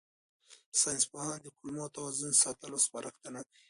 ساینسپوهان د کولمو توازن ساتلو سپارښتنه کوي.